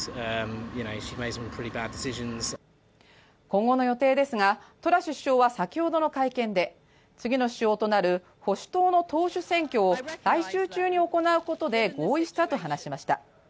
今後の予定ですが、トラス首相は先ほどの会見で次の首相となる保守党の党首選挙を来週中に行うことで合意したと話しました。